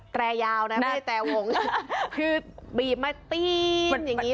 แต่ยาวไม่ได้แต่ห่งคือบีบมาตี้้ง